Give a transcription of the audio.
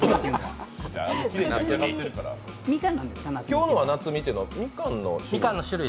今日のはなつみっていうのはみかんの種類？